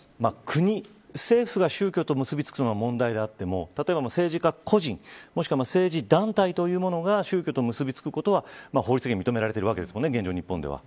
国、政府が宗教と結びつくのは問題であっても例えば政治家個人もしくは、政治団体というのが宗教と結び付くことは法律的には認められてるわけですもんね。